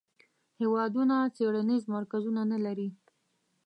هیوادونه څیړنیز مرکزونه نه لري.